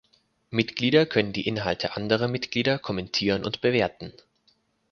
Mitglieder können die Inhalte anderer Mitglieder kommentieren und bewerten.